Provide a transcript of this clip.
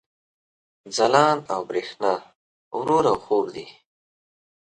ځلاند او برېښنا رور او حور دي